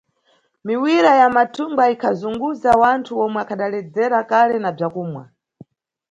Miwira ya mathunga ikhazunguza wanthu omwe akhadaledzera kale na bzakumwa.